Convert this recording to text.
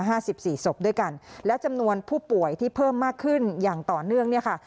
สิบสี่ศพด้วยกันและจำนวนผู้ป่วยที่เพิ่มมากขึ้นอย่างต่อเนื่องเนี่ยค่ะ